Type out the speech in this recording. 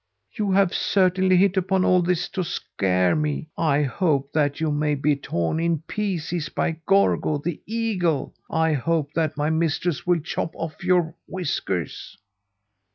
You have certainly hit upon all this to scare me. I hope that you may be torn in pieces by Gorgo, the eagle! I hope that my mistress will chop off your whiskers!"